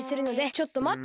ちょっと待っと。